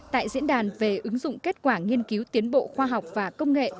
tại diễn đàn về ứng dụng kết quả nghiên cứu tiến bộ khoa học và công nghệ